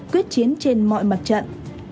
quyết chiến trên mọi mặt trận